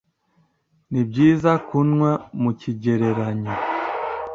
Nibyiza kunywa mukigereranyo.